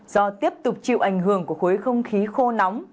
do tiếp tục chịu ảnh hưởng của khối không khí khô nóng